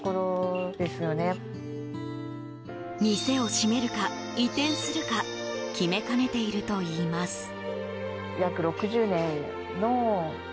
店を閉めるか移転するか決めかねているといいます。